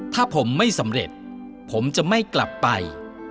ถ้าผมไม่สำเร็จผมจะไม่กลับไป